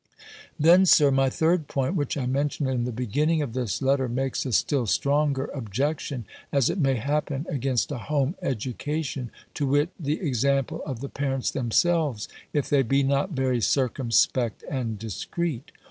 Then, Sir, my third point (which I mentioned in the beginning of this letter) makes a still stronger objection, as it may happen, against a home education; to wit, the example of the parents themselves, if they be not very circumspect and discreet.